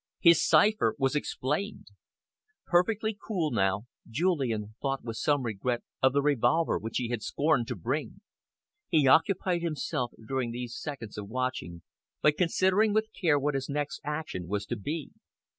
His cipher was explained! Perfectly cool now, Julian thought with some regret of the revolver which he had scorned to bring. He occupied himself, during these seconds of watching, by considering with care what his next action was to be.